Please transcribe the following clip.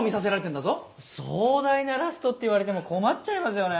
壮大なラストって言われても困っちゃいますよね。